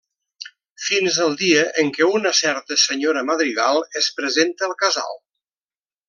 Fins al dia en què una certa Senyora Madrigal es presenta al casal.